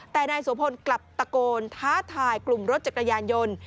แต่นายโสพลกลับตะโกนท้าทายกลุ่มรถจักรยานยนต์